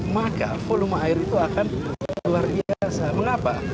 maka volume air itu akan luar biasa mengapa